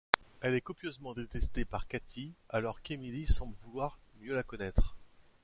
Elle est copieusement détestée par Katie, alors qu'Emily semble vouloir mieux la connaître.